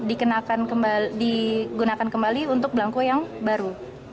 itu digunakan kembali untuk blanko yang baru